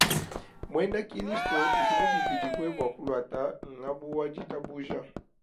Muena kilisto udi mubikidibue bua kuluata ngabu wa ditabuja.